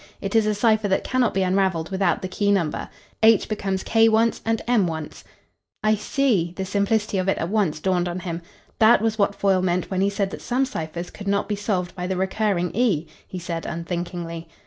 It is a cipher that cannot be unravelled without the key number. H becomes K once and M once." "I see." The simplicity of it at once dawned on him. "That was what Foyle meant when he said that some ciphers could not be solved by the recurring E," he said unthinkingly.